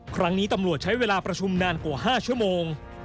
ครั้งนี้ตำรวจใช้เวลาประชุมนานกว่า๕ชั่วโมง